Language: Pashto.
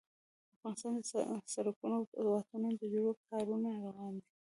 افغانستان کې د سړکونو او واټونو د جوړولو کارونه روان دي